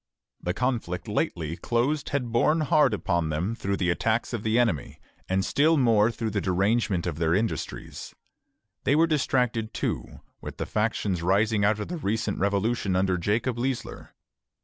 The conflict lately closed had borne hard upon them through the attacks of the enemy, and still more through the derangement of their industries. They were distracted, too, with the factions rising out of the recent revolution under Jacob Leisler.